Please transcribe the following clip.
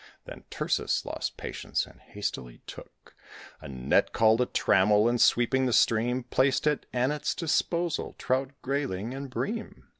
Then Tircis lost patience, and hastily took A net called a trammel, and, sweeping the stream, Placed at Annette's disposal trout, greyling, and bream.